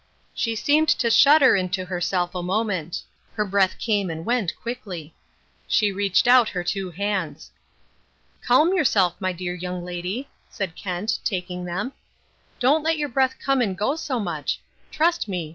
She seemed to shudder into herself a moment. Her breath came and went quickly. She reached out her two hands. "Calm yourself, my dear young lady," said Kent, taking them. "Don't let your breath come and go so much. Trust me.